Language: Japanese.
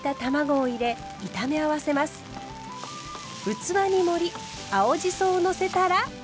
器に盛り青じそをのせたら完成。